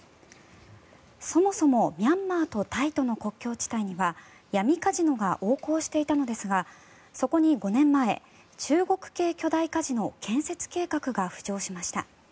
そもそもミャンマーとタイとの国境地帯には闇カジノが横行していたのですがそこに５年前中国系巨大カジノ建設計画が浮上しました。